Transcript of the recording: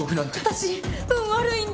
私運悪いんです。